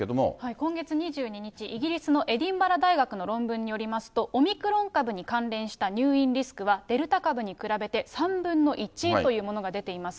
今月２２日、イギリスのエディンバラ大学の論文によりますと、オミクロン株に関連した入院リスクは、デルタ株に比べて３分の１というものが出ています。